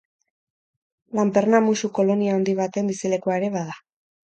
Lanperna-musu kolonia handi baten bizilekua ere bada.